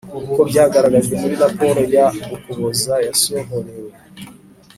uko byagaragajwe muri raporo ya ukuboza yasohorewe